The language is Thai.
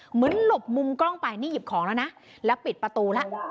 หลบมุมกล้องไปนี่หยิบของแล้วนะแล้วปิดประตูแล้ว